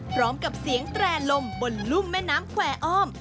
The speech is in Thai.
พร้อมกับเสียงแตร่ลมบนรุ่มแม่น้ำแควร์อ้อม